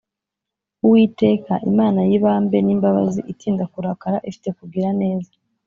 Uwiteka, Imana y’ibambe n’imbabazi, itinda kurakara ifite kugira neza